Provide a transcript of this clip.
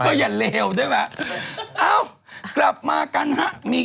เอาใหม่คนอื่นผู้ชื่ออื่นนี้